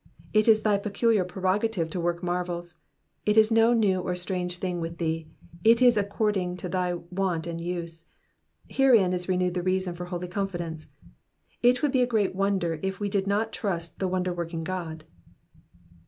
It is thy peculiar prerogative to work marvels ; it is no new or strange thing with thee, it is according to thy wont and use. Herein is renewed reason for holy confidence. It would be a great wonder if we did not trust the wonder working Gtod.